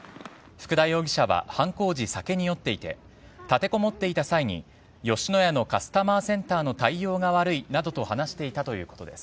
福田容疑者は犯行時、酒に酔っていて立てこもっていた際に吉野家のカスタマーセンターの対応が悪いなどと話していたということです。